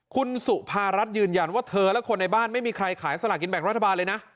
คุณสุภารัฐยืนยันว่าเธอและคนในบ้านไม่มีใครขายสลากินแบ่งรัฐบาลเลยนะ